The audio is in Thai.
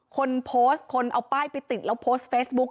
คนโพสต์คนเอาป้ายไปติดแล้วโพสต์เฟซบุ๊ค